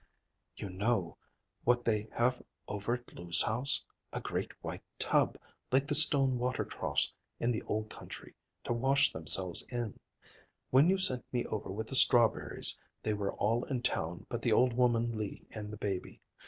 "You know what they have over at Lou's house? A great white tub, like the stone water troughs in the old country, to wash themselves in. When you sent me over with the strawberries, they were all in town but the old woman Lee and the baby.